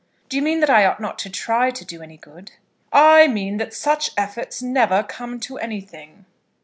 "Do you mean that I ought not to try to do any good?" "I mean that such efforts never come to anything."